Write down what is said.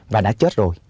và đã chết rồi